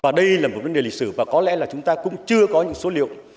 và đây là một vấn đề lịch sử và có lẽ là chúng ta cũng chưa có những số liệu